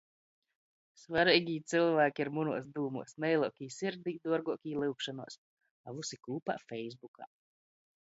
Svareigī cylvāki ir munuos dūmuos, meiluokī sirdī, duorguokī lyugšonuos, a vysi kūpā - feisbukā.